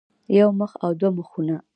يو مخ او دوه مخونه